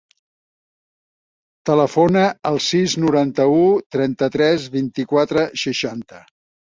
Telefona al sis, noranta-u, trenta-tres, vint-i-quatre, seixanta.